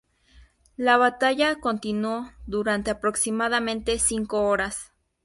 La batalla continuó durante aproximadamente cinco horas.